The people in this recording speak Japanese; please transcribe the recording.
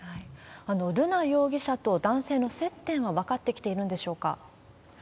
瑠奈容疑者と男性の接点は分かってきているんでしょうか？